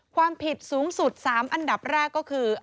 ความผิดสูงสุด๓อันดับแรกก็คือ